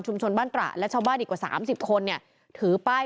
ชุมชนบ้านตระและชาวบ้านอีกกว่าสามสิบคนเนี่ยถือป้าย